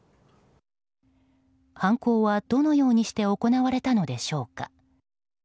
犯行はどのようにして行われたのでしょうか。